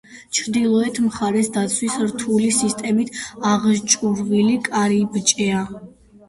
ჩრდილოეთ მხარეს დაცვის რთული სისტემით აღჭურვილი კარიბჭეა.